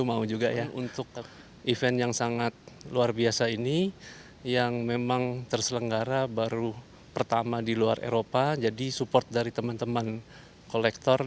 pemilik dari vespa vespa ini sangat luar biasa sekali sehingga kita cukup dimudahkan dalam proses itu